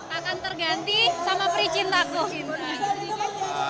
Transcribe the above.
akan terganti sama peri cintaku cinta